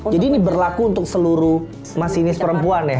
jadi ini berlaku untuk seluruh masinis perempuan ya